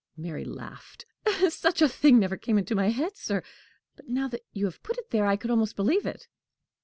Mary laughed. "Such a thing never came into my head, sir; but now that you have put it there, I could almost believe it."